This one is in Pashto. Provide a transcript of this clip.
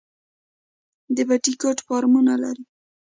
د بټي کوټ فارمونه لري